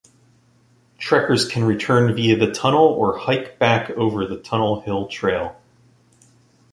Trekkers can return via the tunnel, or hike back over the Tunnel Hill Trail.